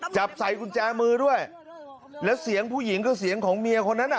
จับใส่กุญแจมือด้วยแล้วเสียงผู้หญิงก็เสียงของเมียคนนั้นอ่ะ